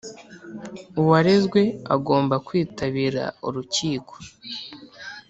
uwarezwe agomba kwitabira urukiko